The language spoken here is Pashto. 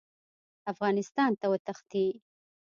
افغانستان ته وتښتي.